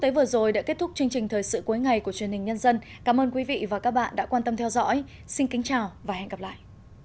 thông tin quốc tế vừa rồi đã kết thúc chương trình thời sự cuối ngày của truyền hình nhân dân cảm ơn quý vị và các bạn đã quan tâm theo dõi xin kính chào và hẹn gặp lại